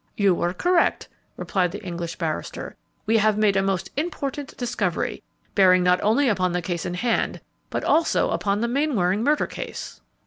"You were correct," replied the English barrister; "we have made a most important discovery, bearing not only upon the case in hand, but also upon the Mainwaring murder case."